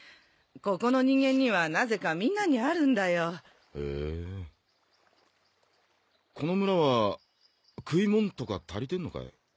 ここの人間にはなぜかみんなにあるんだよへえーこの村は食いモンとか足りてんのかい？